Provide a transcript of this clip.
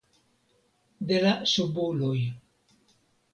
De la subuloj.